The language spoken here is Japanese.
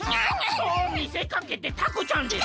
とみせかけてタコちゃんです。